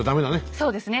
そうですね。